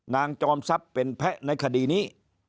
จอมทรัพย์เป็นแพะในคดีนี้